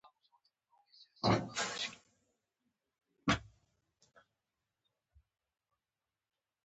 یوازې له سیندهیا وغوښتل شي.